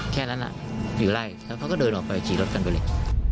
แค่นั้นอยู่ไล่แล้วเขาก็เดินออกไปขี่รถกันไปเลย